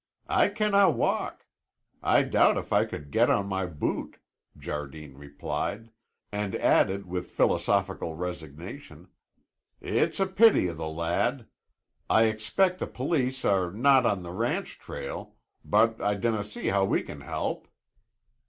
I canna walk; I doubt if I could get on my boot," Jardine replied, and added with philosophical resignation: "It's a pity o' the lad! I expect the police are noo on the ranch trail, but I dinna see how we can help."